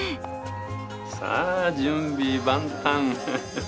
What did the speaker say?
さあ準備万端。